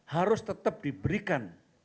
harus tetap diberikan